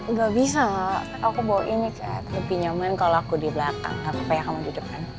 nggak bisa aku bawa ini cat lebih nyaman kalau aku di belakang gapapa ya kamu duduk kan